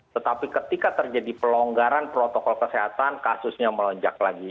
tetapi ketika terjadi pelonggaran protokol kesehatan kasusnya melonjak lagi